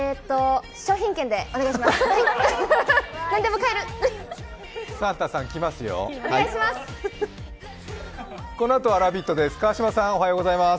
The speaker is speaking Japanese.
商品券でお願いします。